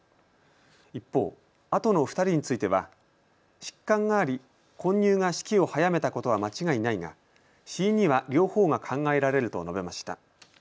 一方、あとの２人については疾患があり混入が死期を早めたことは間違いないが死因には両方が考えられると述べました。